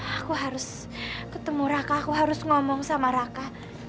aku harus ketemu raka aku harus ngomong sama raka